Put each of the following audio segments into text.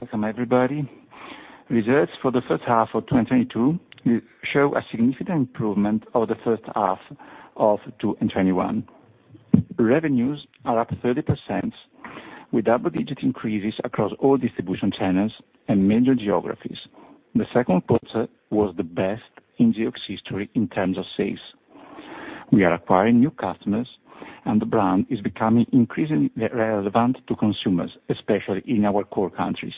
Welcome everybody. Results for the first half of 2022 show a significant improvement of the first half of 2021. Revenues are up 30% with double-digit increases across all distribution channels and major geographies. The second quarter was the best in Geox's history in terms of sales. We are acquiring new customers, and the brand is becoming increasingly relevant to consumers, especially in our core countries.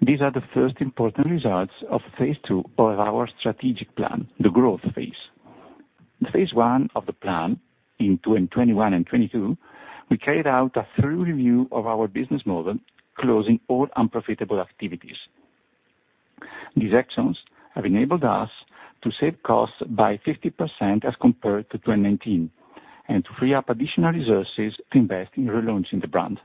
These are the first important results of phase two of our strategic plan, the growth phase. In phase one of the plan in 2021 and 2022, we carried out a thorough review of our business model, closing all unprofitable activities. These actions have enabled us to save costs by 50% as compared to 2019, and to free up additional resources to invest in relaunching the brand.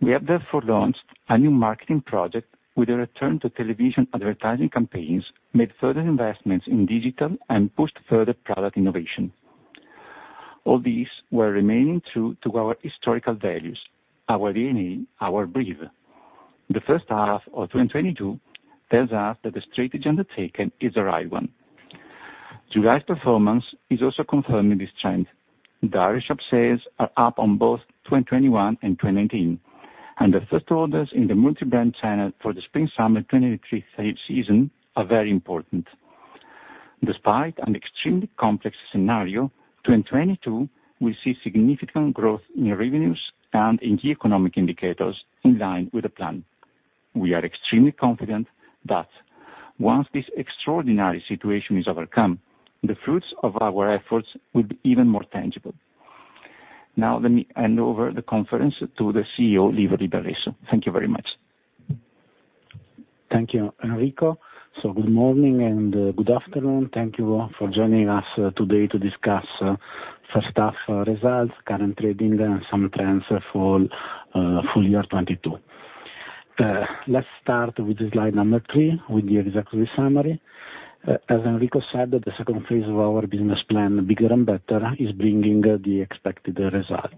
We have therefore launched a new marketing project with a return to television advertising campaigns, made further investments in digital, and pushed further product innovation. All these were remaining true to our historical values, our DNA, our brand. The first half of 2022 tells us that the strategy undertaken is the right one. July's performance is also confirming this trend. Direct shop sales are up on both 2021 and 2019, and the first orders in the multi-brand channel for the spring/summer 2023 sales season are very important. Despite an extremely complex scenario, 2022 will see significant growth in revenues and in key economic indicators in line with the plan. We are extremely confident that once this extraordinary situation is overcome, the fruits of our efforts will be even more tangible. Now let me hand over the conference to the CEO, Livio Libralesso. Thank you very much. Thank you, Enrico. Good morning and good afternoon. Thank you for joining us today to discuss first half results, current trading, and some trends for full year 2022. Let's start with the slide number three with the executive summary. As Enrico said, the second phase of our business plan, Bigger and Better, is bringing the expected result.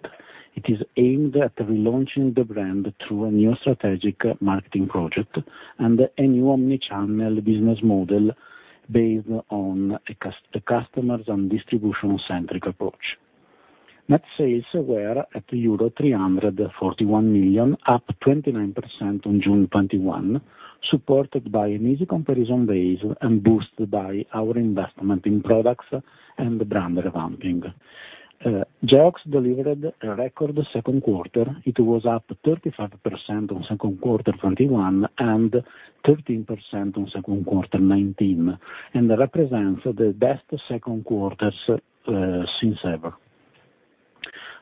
It is aimed at relaunching the brand through a new strategic marketing project and a new omnichannel business model based on the customers and distribution centric approach. Net sales were at euro 341 million, up 29% on June 2021, supported by an easy comparison base and boosted by our investment in products and brand revamping. Geox delivered a record second quarter. It was up 35% on second quarter 2021 and 13% on second quarter 2019, and represents the best second quarter since ever.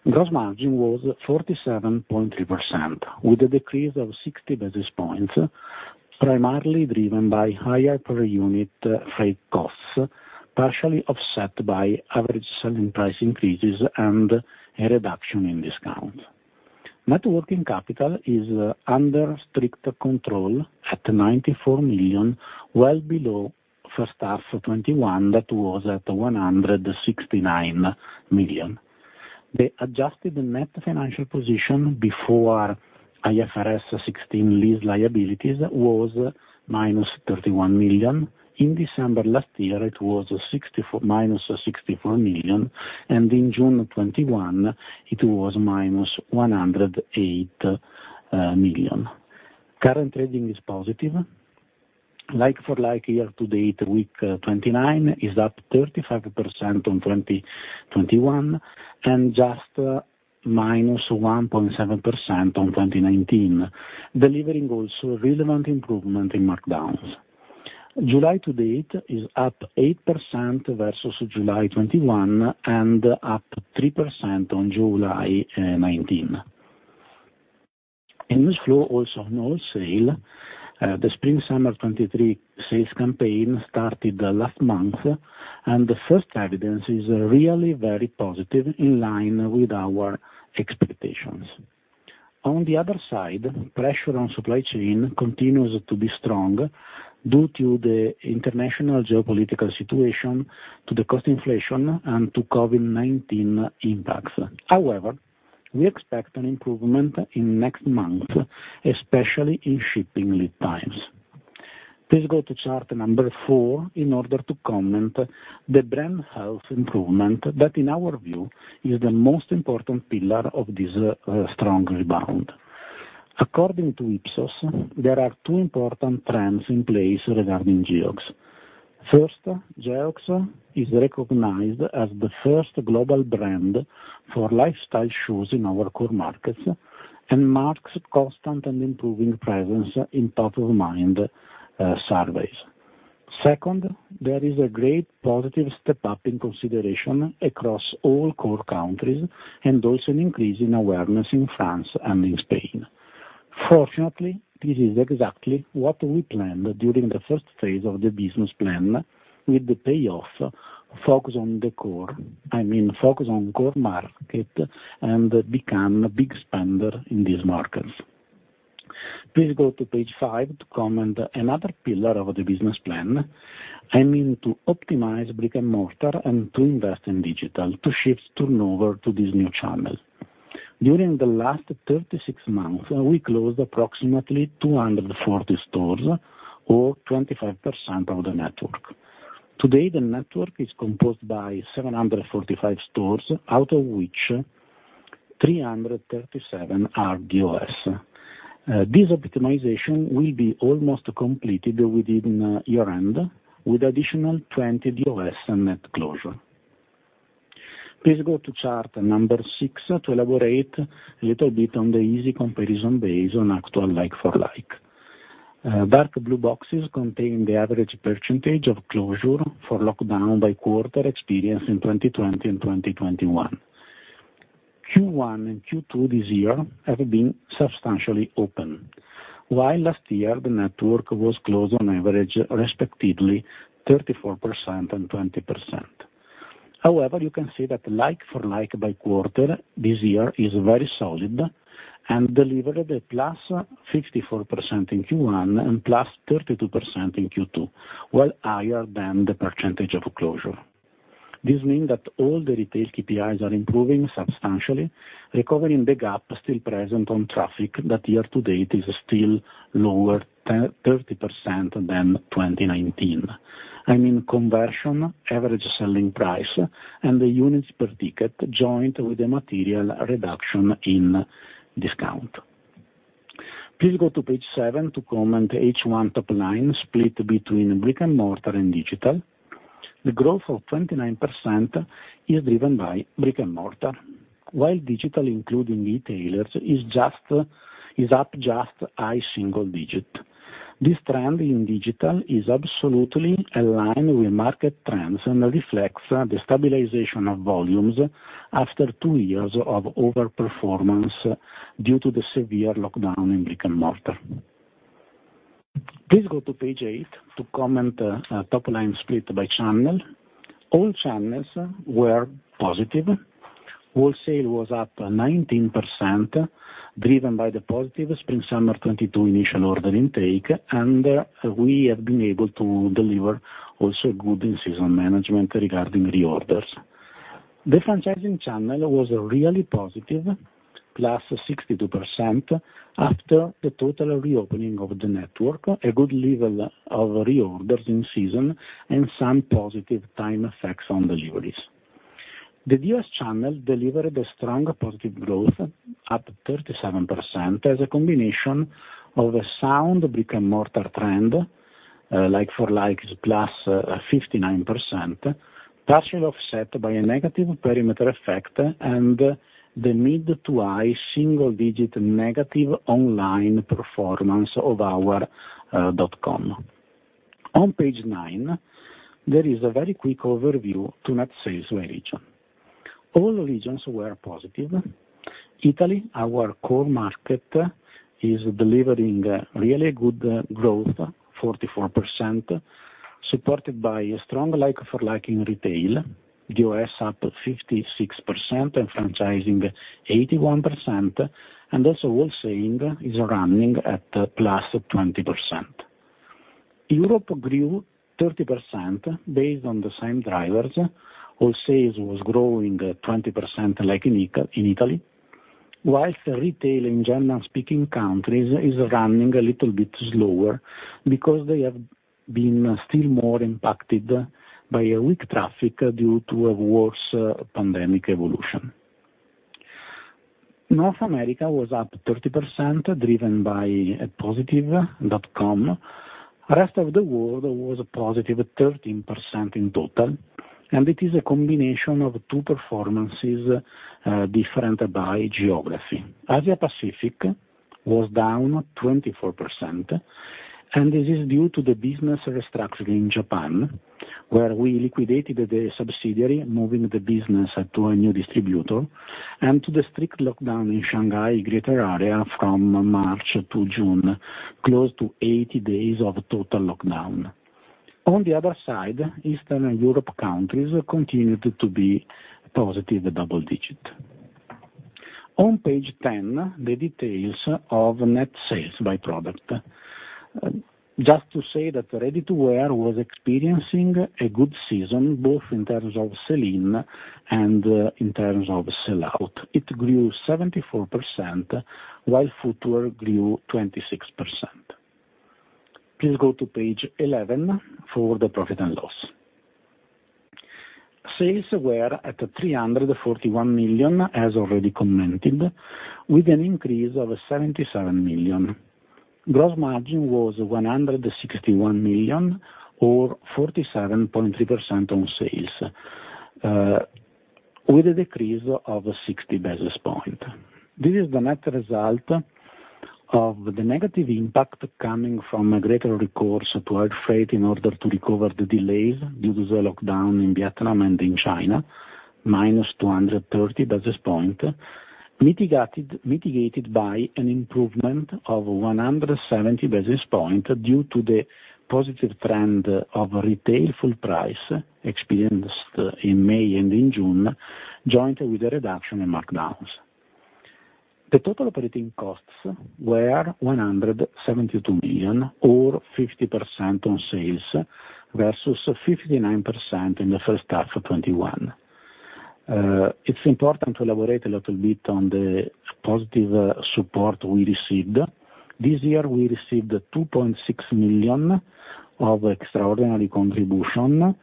Gross margin was 47.3% with a decrease of 60 basis points, primarily driven by higher per unit freight costs, partially offset by average selling price increases and a reduction in discount. Net working capital is under strict control at 94 million, well below first half of 2021 that was at 169 million. The adjusted net financial position before IFRS 16 lease liabilities was -31 million. In December last year, it was -64 million, and in June 2021 it was -108 million. Current trading is positive. Like-for-like year to date, week 29 is up 35% on 2021 and just -1.7% on 2019, delivering also relevant improvement in markdowns. July to date is up 8% versus July 2021 and up 3% on July 2019. In this flow also on all sales, the spring/summer 2023 sales campaign started last month, and the first evidence is really very positive in line with our expectations. On the other side, pressure on supply chain continues to be strong due to the international geopolitical situation, to the cost inflation and to COVID-19 impacts. However, we expect an improvement in next month, especially in shipping lead times. Please go to chart number four in order to comment the brand health improvement that in our view is the most important pillar of this strong rebound. According to Ipsos, there are two important trends in place regarding Geox. First, Geox is recognized as the first global brand for lifestyle shoes in our core markets and marks constant and improving presence in top of mind, surveys. Second, there is a great positive step up in consideration across all core countries and also an increase in awareness in France and in Spain. Fortunately, this is exactly what we planned during the first phase of the business plan with the payoff focus on the core. I mean, focus on core market and become a big spender in these markets. Please go to page five to comment another pillar of the business plan. I mean, to optimize brick-and-mortar and to invest in digital to shift turnover to this new channel. During the last 36 months, we closed approximately 240 stores or 25% of the network. Today, the network is composed by 745 stores, out of which 337 are DOS. This optimization will be almost completed within year-end, with additional 20 DOS net closure. Please go to chart number six to elaborate a little bit on the easy comparison based on actual like-for-like. Dark blue boxes contain the average percentage of closure for lockdown by quarter experienced in 2020 and 2021. Q1 and Q2 this year have been substantially open. While last year, the network was closed on average, respectively 34% and 20%. However, you can see that like-for-like by quarter, this year is very solid and delivered +54% in Q1 and +32% in Q2, well higher than the percentage of closure. This means that all the retail KPIs are improving substantially, recovering the gap still present on traffic that year to date is still lower 30% than 2019. I mean conversion, average selling price, and the units per ticket joined with the material reduction in discount. Please go to page seven to comment H1 top line split between brick-and-mortar and digital. The growth of 29% is driven by brick-and-mortar. While digital, including e-tailers, is up just high single-digit. This trend in digital is absolutely aligned with market trends and reflects the stabilization of volumes after two years of overperformance due to the severe lockdown in brick-and-mortar. Please go to page eight to comment top line split by channel. All channels were positive. Wholesale was up 19%, driven by the positive Spring Summer 2022 initial order intake, and we have been able to deliver also good in-season management regarding reorders. The franchising channel was really positive, +62% after the total reopening of the network, a good level of reorders in season, and some positive time effects on deliveries. The DOS channel delivered a strong positive growth at 37% as a combination of a sound brick-and-mortar trend, like-for-like +59%, partially offset by a negative perimeter effect and the mid- to high-single-digit negative online performance of our dot com. On page 9, there is a very quick overview to net sales by region. All regions were positive. Italy, our core market, is delivering really good growth, 44%, supported by a strong like-for-like in retail, DOS up 56% and franchising 81%. Also wholesaling is running at +20%. Europe grew 30% based on the same drivers. All sales was growing 20% like in Italy, whilst retail in German-speaking countries is running a little bit slower because they have been still more impacted by a weak traffic due to a worse pandemic evolution. North America was up 30%, driven by a positive dot com. Rest of the world was a +13% in total, and it is a combination of two performances different by geography. Asia-Pacific was down 24%, and this is due to the business restructuring in Japan, where we liquidated the subsidiary, moving the business to a new distributor, and to the strict lockdown in Shanghai greater area from March to June, close to 80 days of total lockdown. On the other side, Eastern Europe countries continued to be positive double digit. On page 10, the details of net sales by product. Just to say that ready-to-wear was experiencing a good season, both in terms of sell-in and in terms of sell-out. It grew 74%, while footwear grew 26%. Please go to page 11 for the profit and loss. Sales were at 341 million, as already commented, with an increase of 77 million. Gross margin was 161 million or 47.3% on sales, with a decrease of 60 basis points. This is the net result of the negative impact coming from a greater recourse to air freight in order to recover the delays due to the lockdown in Vietnam and in China, -230 basis points, mitigated by an improvement of 170 basis points due to the positive trend of retail full price experienced in May and in June, joined with a reduction in markdowns. The total operating costs were 172 million or 50% on sales, versus 59% in the first half of 2021. It's important to elaborate a little bit on the positive support we received. This year we received 2.6 million of extraordinary contribution,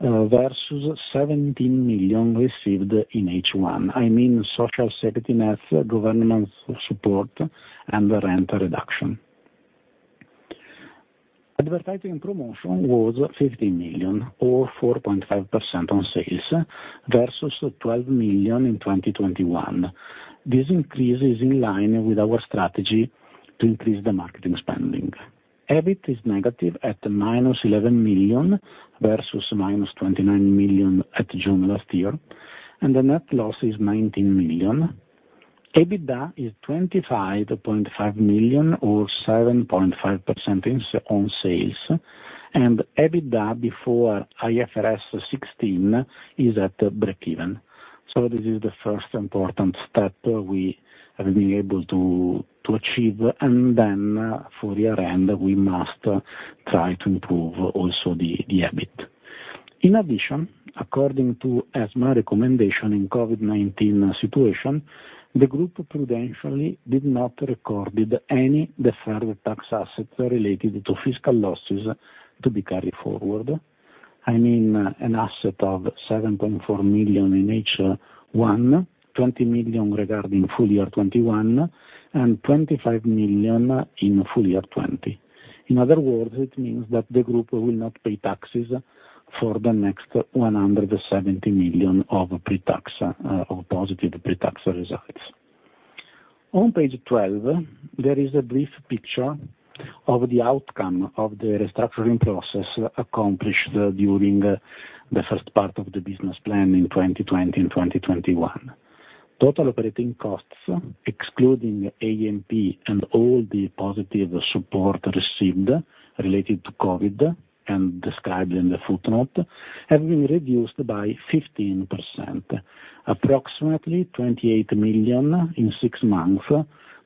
versus 17 million received in H1. I mean, social safety nets, government support, and rent reduction. Advertising promotion was 50 million or 4.5% on sales versus 12 million in 2021. This increase is in line with our strategy to increase the marketing spending. EBIT is negative at -11 million versus -29 million at June last year, and the net loss is 19 million. EBITDA is 25.5 million or 7.5% on sales, and EBITDA before IFRS 16 is at breakeven. This is the first important step we have been able to achieve. For the year end, we must try to improve also the EBIT. In addition, according to ESMA recommendation in COVID-19 situation, the group prudentially did not record any deferred tax assets related to fiscal losses to be carried forward. I mean an asset of 7.4 million in H1, 20 million regarding full year 2021, and 25 million in full year 2020. In other words, it means that the group will not pay taxes for the next 170 million of pre-tax, or positive pre-tax results. On page 12, there is a brief picture of the outcome of the restructuring process accomplished during the first part of the business plan in 2020 and 2021. Total operating costs, excluding A&P and all the positive support received related to COVID and described in the footnote, have been reduced by 15%, approximately 28 million in six months.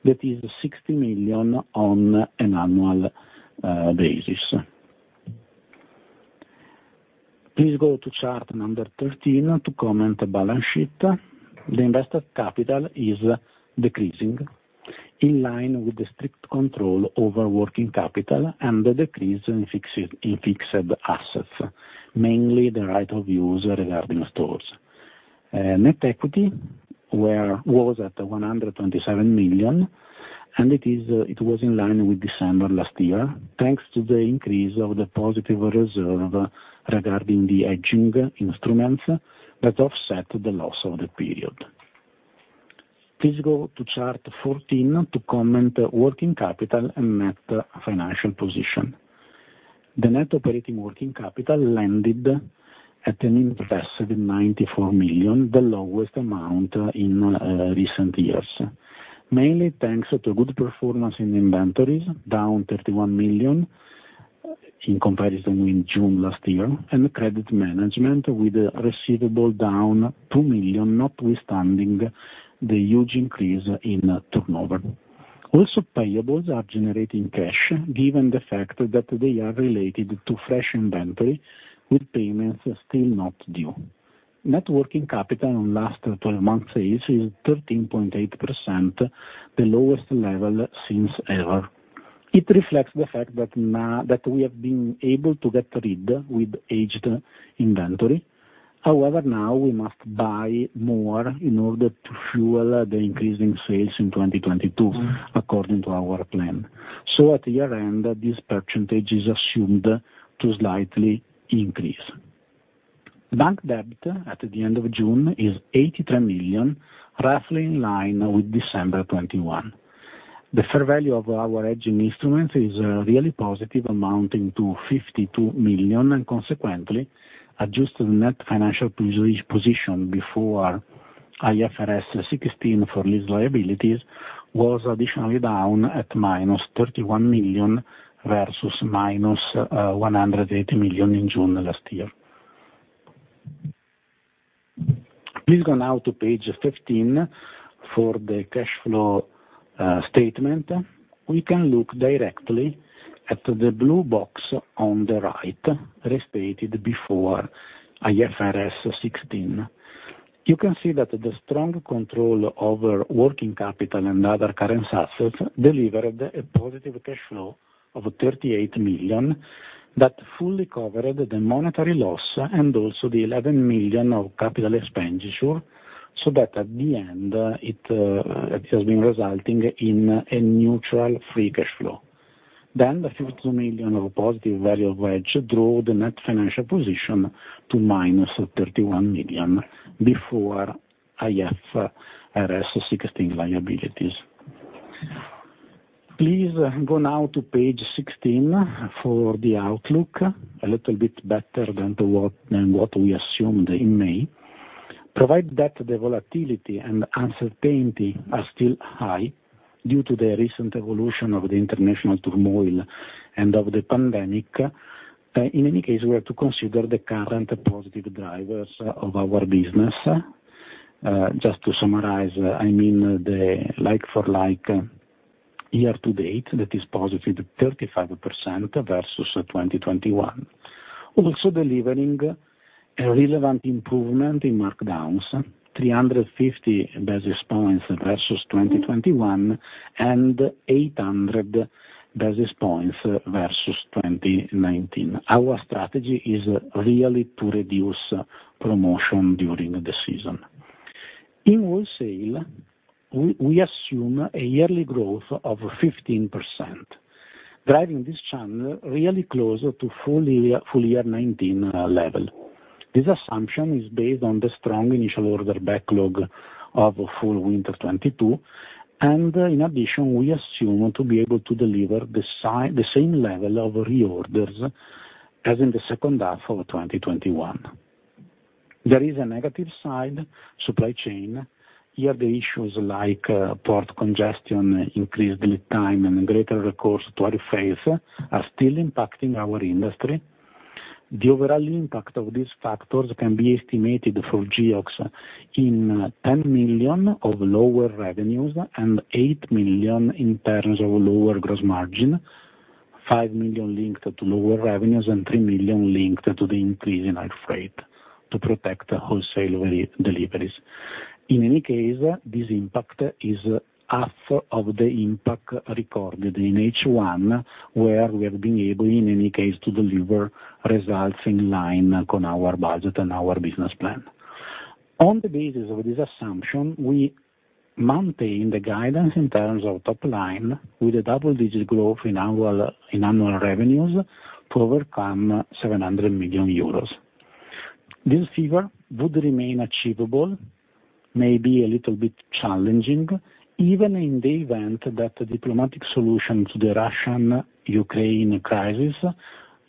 That is 60 million on an annual basis. Please go to chart number 13 to comment on the balance sheet. The invested capital is decreasing in line with the strict control over working capital and the decrease in fixed assets, mainly the Right-of-Use regarding stores. Net equity was at 127 million, and it was in line with December last year, thanks to the increase of the positive reserve regarding the hedging instruments that offset the loss of the period. Please go to chart 14 to comment working capital and net financial position. The net operating working capital landed at an impressive 94 million, the lowest amount in recent years, mainly thanks to good performance in inventories, down 31 million in comparison with June last year, and credit management with receivable down 2 million, notwithstanding the huge increase in turnover. Also, payables are generating cash given the fact that they are related to fresh inventory with payments still not due. Net working capital on last 12 months is 13.8%, the lowest level since ever. It reflects the fact that now that we have been able to get rid of aged inventory. However, now we must buy more in order to fuel the increase in sales in 2022 according to our plan. At year end, this percentage is assumed to slightly increase. Bank debt at the end of June is 83 million, roughly in line with December 2021. The fair value of our hedging instruments is really positive, amounting to 52 million and consequently, adjusted net financial position before IFRS 16 for lease liabilities was additionally down at -31 million versus -180 million in June last year. Please go now to page 15 for the cash flow statement. We can look directly at the blue box on the right, restated before IFRS 16. You can see that the strong control over working capital and other current assets delivered a positive cash flow of 38 million that fully covered the monetary loss and also the 11 million of capital expenditure, so that at the end it has been resulting in a neutral free cash flow. The 52 million of positive fair value hedge drew the net financial position to -31 million before IFRS 16 liabilities. Please go now to page 16 for the outlook, a little bit better than what we assumed in May. Provided that the volatility and uncertainty are still high. Due to the recent evolution of the international turmoil and of the pandemic, in any case, we are to consider the current positive drivers of our business. Just to summarize, I mean the like-for-like year to date that is positive 35% versus 2021. Also delivering a relevant improvement in markdowns, 350 basis points versus 2021 and 800 basis points versus 2019. Our strategy is really to reduce promotion during the season. In wholesale, we assume a yearly growth of 15%, driving this channel really close to full year 2019 level. This assumption is based on the strong initial order backlog of full winter 2022. In addition, we assume to be able to deliver the same level of reorders as in the second half of 2021. There is a negative side, supply chain. Here the issues like port congestion, increased lead time and greater recourse to air freight are still impacting our industry. The overall impact of these factors can be estimated for Geox in 10 million of lower revenues and 8 million in terms of lower gross margin, 5 million linked to lower revenues and 3 million linked to the increase in air freight to protect the wholesale deliveries. In any case, this impact is half of the impact recorded in H1, where we have been able, in any case, to deliver results in line on our budget and our business plan. On the basis of this assumption, we maintain the guidance in terms of top line with a double-digit growth in annual revenues to overcome 700 million euros. This figure would remain achievable, maybe a little bit challenging, even in the event that a diplomatic solution to the Russia-Ukraine crisis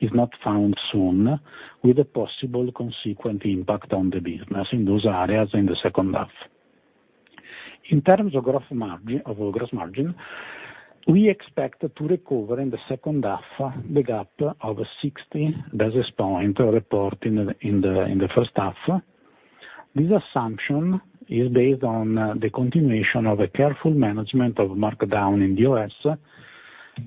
is not found soon, with a possible consequent impact on the business in those areas in the second half. In terms of growth margin, of our gross margin, we expect to recover in the second half the gap of 60 basis points reported in the first half. This assumption is based on the continuation of a careful management of markdown in the U.S.,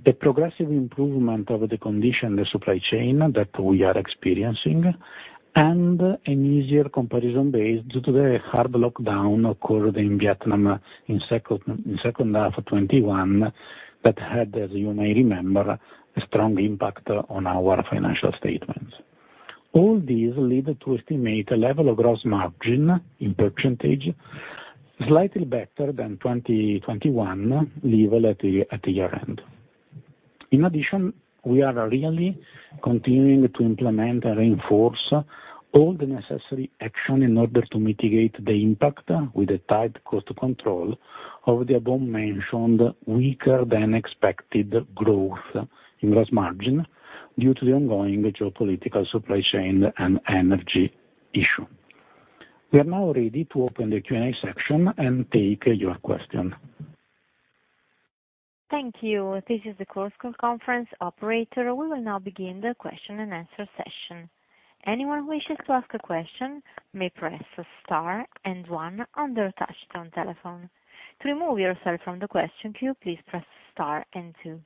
the progressive improvement of the condition of the supply chain that we are experiencing, and an easier comparison base due to the hard lockdown that occurred in Vietnam in second half 2021 that had, as you may remember, a strong impact on our financial statements. All these lead us to estimate a level of gross margin as a percentage slightly better than 2021 level at the year-end. In addition, we are really continuing to implement and reinforce all the necessary action in order to mitigate the impact, with a tight cost control, of the above-mentioned weaker-than-expected growth in gross margin due to the ongoing geopolitical, supply chain, and energy issues. We are now ready to open the Q&A section and take your question. Thank you. This is the conference call operator. We will now begin the question-and-answer session. Anyone who wishes to ask a question may press star and one on their touchtone telephone. To remove yourself from the question queue, please press star and two.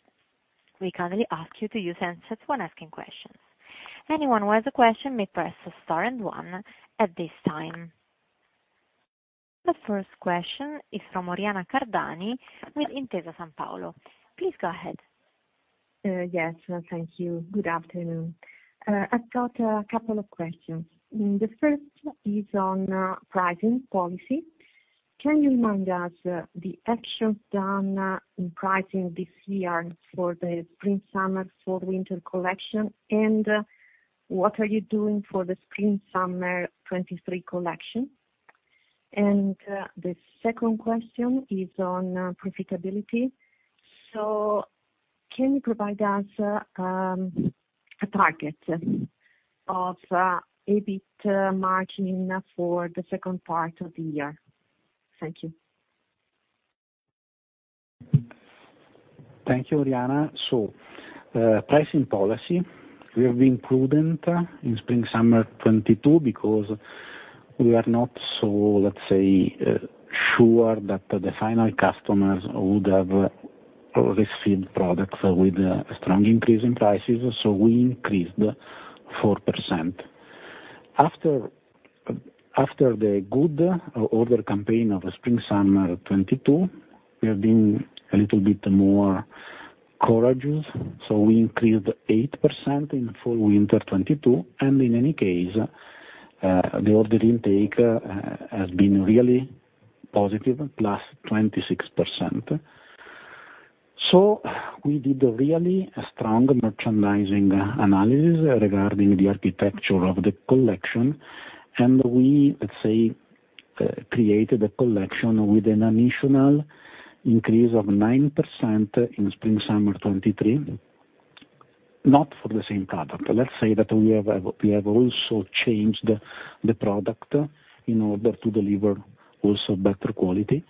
We kindly ask you to use handsets when asking questions. Anyone who has a question may press star and one at this time. The first question is from Oriana Cardani with Intesa Sanpaolo. Please go ahead. Yes, thank you. Good afternoon. I've got a couple of questions. The first is on pricing policy. Can you remind us the actions done in pricing this year for the spring/summer, fall/winter collection? What are you doing for the spring/summer 2023 collection? The second question is on profitability. Can you provide us a target of EBIT margin for the second part of the year? Thank you. Thank you, Oriana. Pricing policy, we have been prudent in spring/summer 2022 because we are not so, let's say, sure that the final customers would have received products with a strong increase in prices, so we increased 4%. After the good order campaign of spring/summer 2022, we have been a little bit more courageous, so we increased 8% in fall/winter 2022. In any case, the order intake has been really positive, +26%. We did really a strong merchandising analysis regarding the architecture of the collection, and we, let's say, created a collection with an additional increase of 9% in spring/summer 2023. Not for the same product. Let's say that we have also changed the product in order to deliver also better quality.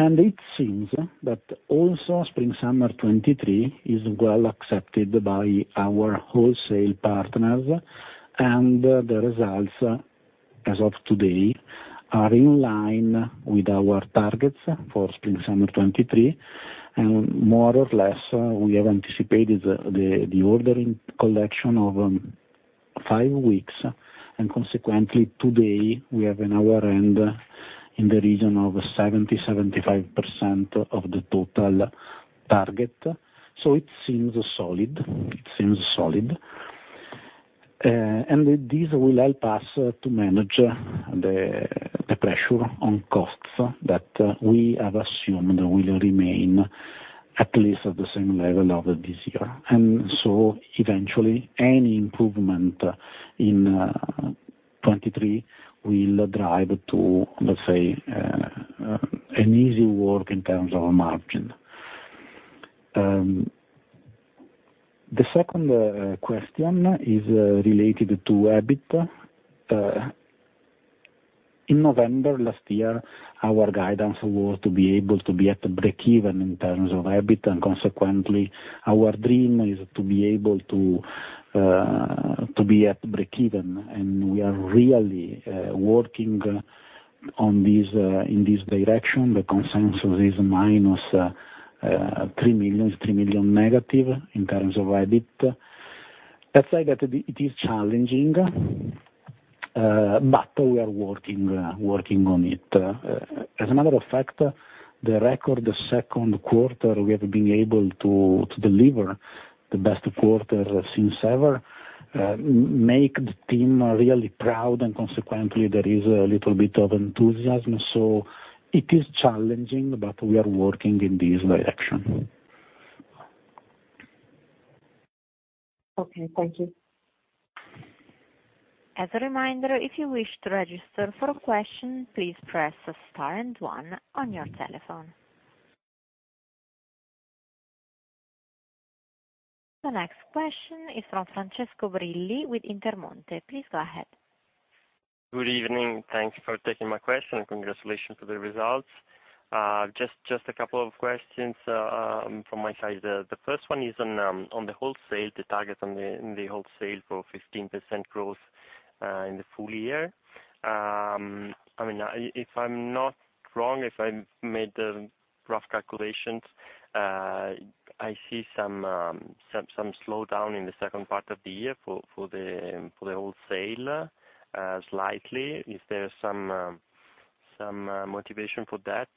It seems that also spring/summer 2023 is well accepted by our wholesale partners, and the results as of today are in line with our targets for spring/summer 2023. More or less, we have anticipated the ordering of the collection of five weeks, and consequently today we have in hand in the region of 70%-75% of the total target. It seems solid. This will help us to manage the pressure on costs that we have assumed will remain at least at the same level of this year. Eventually, any improvement in 2023 will drive to, let's say, an easy work in terms of margin. The second question is related to EBIT. In November last year, our guidance was to be able to be at breakeven in terms of EBIT, and consequently our dream is to be able to be at breakeven, and we are really working on this in this direction. The consensus is -3 million negative in terms of EBIT. Let's say that it is challenging, but we are working on it. As a matter of fact, the second quarter, we have been able to deliver the best quarter since ever, make the team really proud, and consequently there is a little bit of enthusiasm. It is challenging, but we are working in this direction. Okay, thank you. As a reminder, if you wish to register for a question, please press star and one on your telephone. The next question is from Francesco Brilli with Intermonte. Please go ahead. Good evening. Thanks for taking my question, and congratulations for the results. Just a couple of questions from my side. The first one is on the wholesale, the target in the wholesale for 15% growth in the full year. I mean, if I'm not wrong, if I made the rough calculations, I see some slowdown in the second part of the year for the wholesale, slightly. Is there some motivation for that?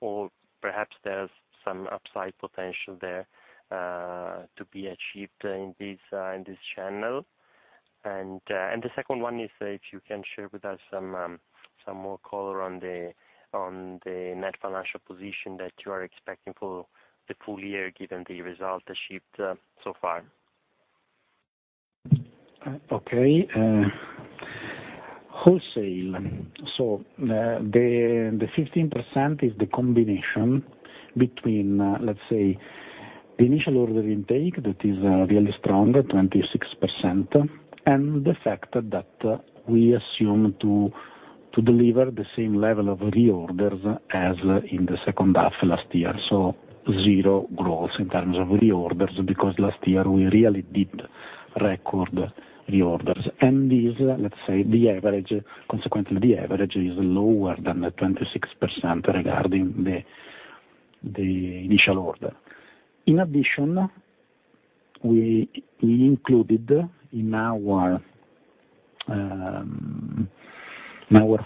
Or perhaps there's some upside potential there to be achieved in this channel. The second one is, if you can share with us some more color on the net financial position that you are expecting for the full year, given the results achieved so far? Wholesale. The 15% is the combination between, let's say, the initial order intake that is really strong, at 26%, and the fact that we assume to deliver the same level of reorders as in the second half last year. Zero growth in terms of reorders, because last year we really did record reorders. This, let's say, the average. Consequently, the average is lower than the 26% regarding the initial order. In addition, we included in our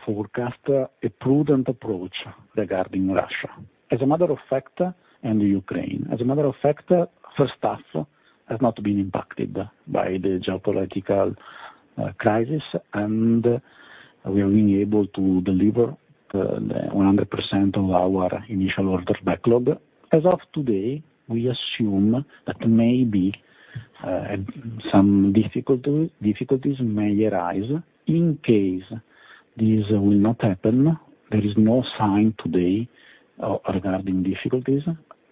forecast a prudent approach regarding Russia. As a matter of fact, and Ukraine. As a matter of fact, first half has not been impacted by the geopolitical crisis, and we have been able to deliver the 100% of our initial order backlog. As of today, we assume that maybe some difficulties may arise. In case this will not happen, there is no sign today regarding difficulties.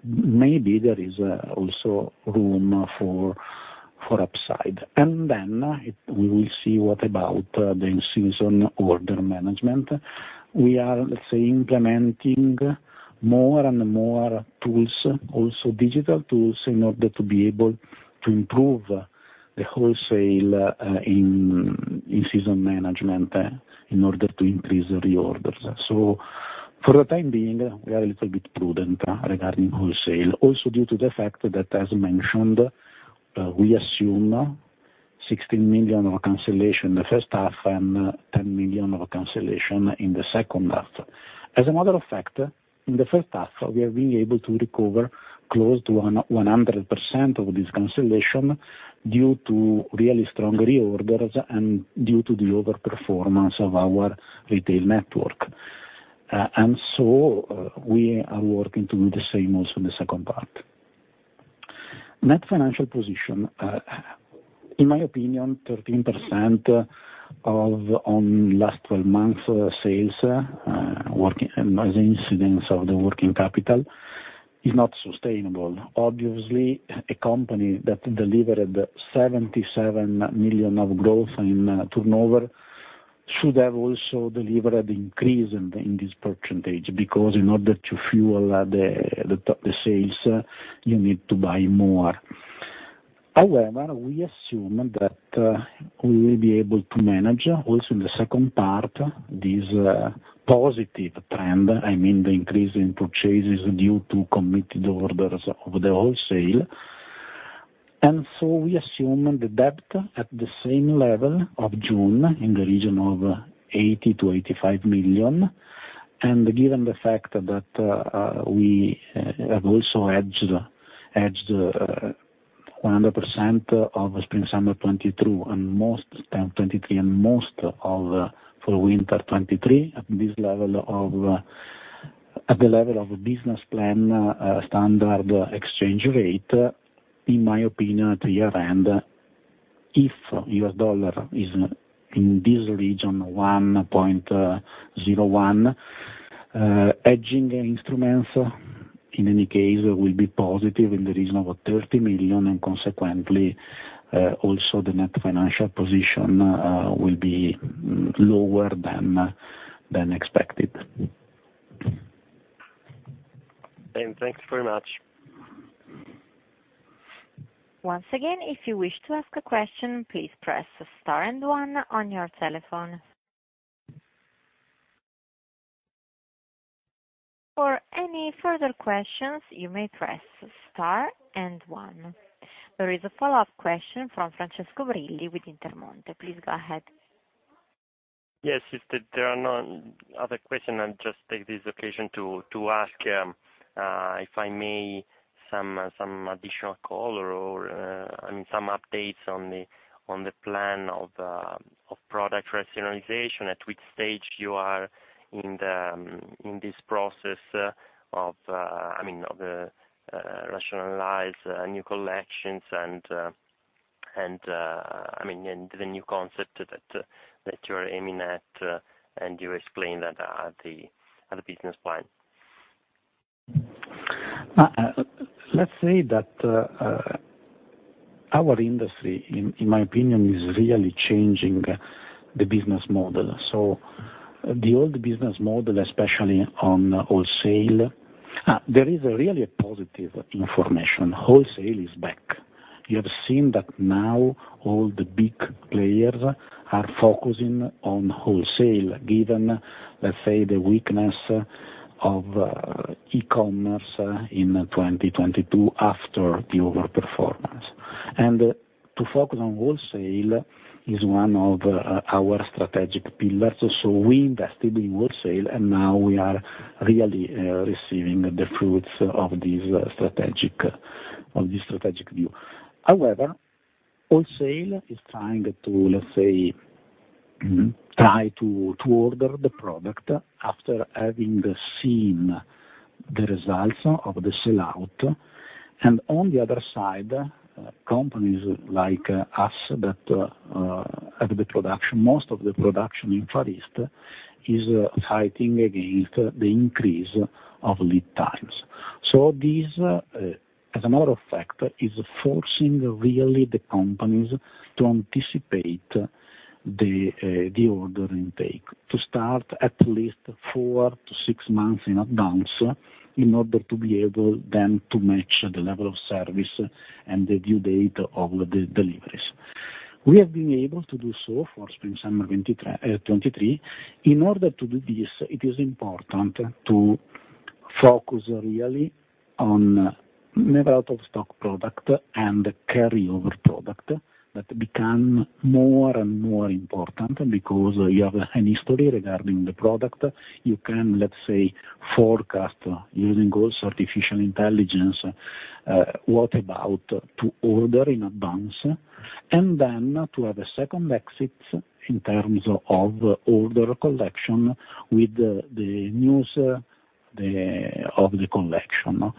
Maybe there is also room for upside. We will see what about the in-season order management. We are, let's say, implementing more and more tools, also digital tools, in order to be able to improve the wholesale in season management in order to increase the reorders. For the time being, we are a little bit prudent regarding wholesale, also due to the fact that, as mentioned, we assume 16 million of cancellation in the first half and 10 million of cancellation in the second half. As a matter of fact, in the first half, we are being able to recover close to 100% of this cancellation due to really strong reorders and due to the overperformance of our retail network. We are working to do the same also in the second part. Net financial position, in my opinion, 13% on last 12 months sales, as incidence of the working capital is not sustainable. Obviously, a company that delivered 77 million of growth in turnover should have also delivered increase in this percentage, because in order to fuel the sales, you need to buy more. However, we assume that we will be able to manage. Also in the second part, this positive trend, I mean, the increase in purchases due to committed orders of the wholesale. We assume the debt at the same level of June in the region of 80 million-85 million. Given the fact that we have also hedged 100% of spring/summer 2022 and most of 2023 and most of fall/winter 2023 at the level of business plan standard exchange rate. In my opinion, at year-end, if U.S. dollar is in this region, 1.01, hedging instruments in any case will be positive in the region of 30 million, and consequently also the net financial position will be lower than expected. Thanks very much. Once again, if you wish to ask a question, please press star and one on your telephone. For any further questions, you may press star and one. There is a follow-up question from Francesco Brilli with Intermonte. Please go ahead. Yes. If there are no other question, I'll just take this occasion to ask, if I may, some additional color or, I mean, some updates on the plan of product rationalization, at which stage you are in this process of rationalizing new collections and the new concept that you're aiming at, and you explained that at the business plan. Let's say that our industry, in my opinion, is really changing the business model. The old business model, especially on wholesale. There is really a positive information. Wholesale is back. You have seen that now all the big players are focusing on wholesale given, let's say, the weakness of e-commerce in 2022 after the overperformance. To focus on wholesale is one of our strategic pillars. We invested in wholesale, and now we are really receiving the fruits of this strategic view. However, wholesale is trying to, let's say, try to order the product after having seen the results of the sell-out. On the other side, companies like us that have the production, most of the production in Far East is fighting against the increase of lead times. This, as a matter of fact, is forcing really the companies to anticipate the order intake to start at least four-six months in advance in order to be able then to match the level of service and the due date of the deliveries. We have been able to do so for spring/summer 2023. In order to do this, it is important to focus really on never out of stock product and carry over product that become more and more important because you have a history regarding the product. You can, let's say, forecast using also artificial intelligence what to order in advance, and then to have a second exit in terms of order collection with the new of the collection.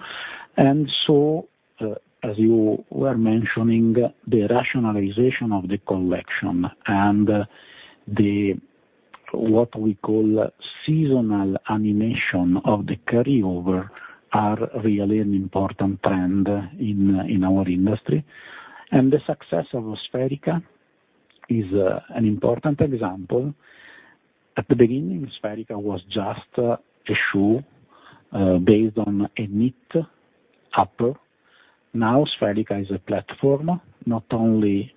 As you were mentioning, the rationalization of the collection and the, what we call seasonal animation of the carryover are really an important trend in our industry. The success of Spherica is, an important example. At the beginning, Spherica was just a shoe, based on a knit upper. Now, Spherica is a platform, not only,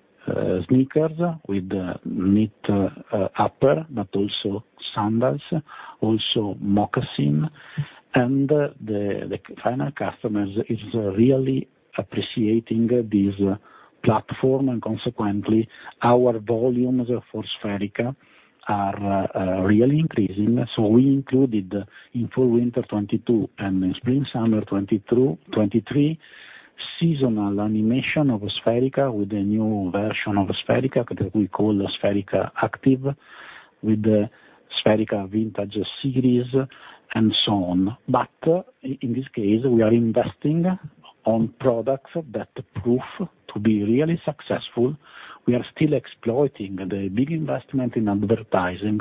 sneakers with a knit, upper, but also sandals, also moccasin. The final customers is really appreciating this platform. Consequently, our volumes for Spherica are really increasing. We included in fall/winter 2022 and in spring/summer 2022-2023 seasonal animation of Spherica with a new version of Spherica that we call Spherica Actif with the Spherica Vseries and so on. But in this case, we are investing on products that prove to be really successful. We are still exploiting the big investment in advertising.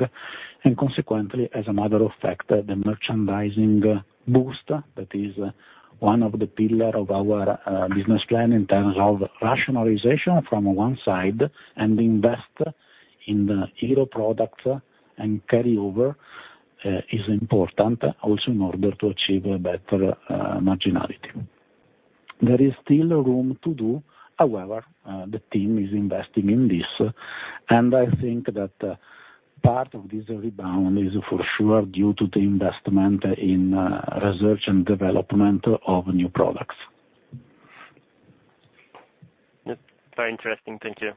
Consequently, as a matter of fact, the merchandising boost, that is one of the pillar of our business plan in terms of rationalization from one side and invest in the hero products and carry over is important also in order to achieve a better marginality. There is still room to do. However, the team is investing in this, and I think that part of this rebound is for sure due to the investment in research and development of new products. Yep. Very interesting. Thank you.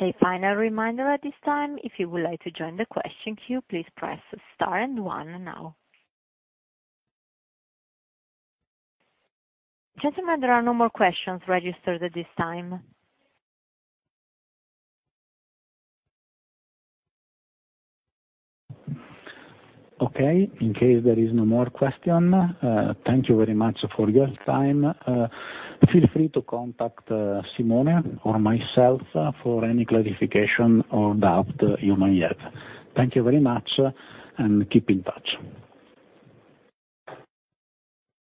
A final reminder at this time. If you would like to join the question queue, please press star and one now. Gentlemen, there are no more questions registered at this time. Okay. In case there is no more question, thank you very much for your time. Feel free to contact Simone or myself for any clarification or doubt you may have. Thank you very much, and keep in touch.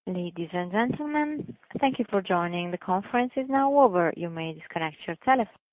Ladies and gentlemen, thank you for joining. The conference is now over. You may disconnect your tele-